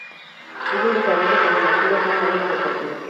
Hubo un desarrollo a continuación, hacia un modelo deportivo.